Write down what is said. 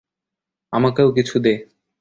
আমাকেও কিছু দে।